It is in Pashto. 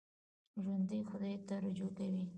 ژوندي خدای ته رجوع کوي